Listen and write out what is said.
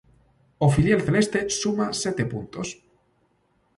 O filial celeste suma sete puntos.